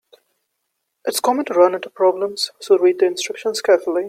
It's common to run into problems, so read the instructions carefully.